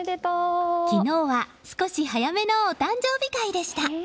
昨日は少し早めのお誕生日会でした。